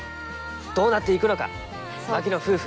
どうなっていくのか槙野夫婦。